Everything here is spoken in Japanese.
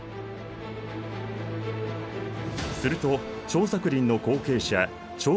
すると張作霖の後継者張